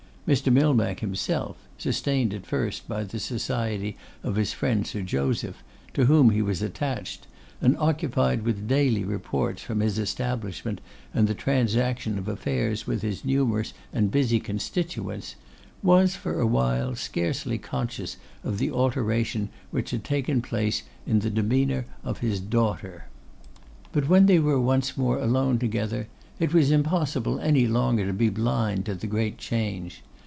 Mr. Millbank himself, sustained at first by the society of his friend Sir Joseph, to whom he was attached, and occupied with daily reports from his establishment and the transaction of the affairs with his numerous and busy constituents, was for a while scarcely conscious of the alteration which had taken place in the demeanour of his daughter. But when they were once more alone together, it was impossible any longer to be blind to the great change.